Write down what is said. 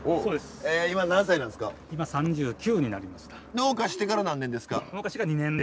農家してから何年ですか？